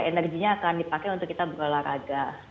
energinya akan dipakai untuk kita berolahraga